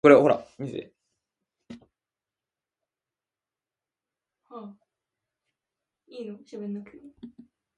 彼は彼の友に揶揄せられたる結果としてまず手初めに吾輩を写生しつつあるのである